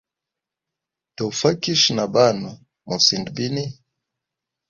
Tofakisha na banwe mosind bini?